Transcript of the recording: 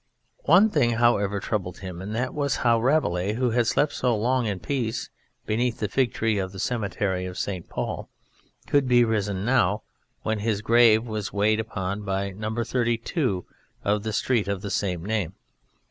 One thing, however, troubled him, and that was how Rabelais, who had slept so long in peace beneath the Fig Tree of the Cemetery of St. Paul, could be risen now when his grave was weighed upon by No. 32 of the street of the same name.